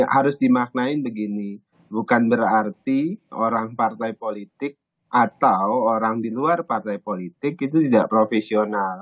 harus dimaknain begini bukan berarti orang partai politik atau orang di luar partai politik itu tidak profesional